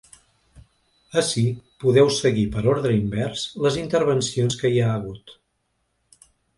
Ací podeu seguir, per ordre invers, les intervencions que hi ha hagut.